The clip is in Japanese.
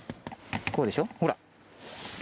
こうでしょうほら。